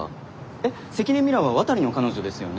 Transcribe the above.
えっ関根ミラは渡の彼女ですよね？